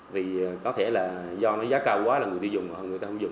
vì có thể là do nó giá cao quá là người tiêu dùng hoặc người ta không dùng